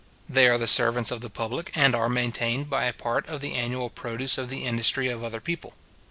They are the servants of the public, and are maintained by a part of the annual produce of the industry of other people.